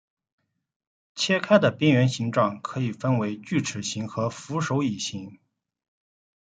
切开的边缘形状可以分为锯齿形和扶手椅形。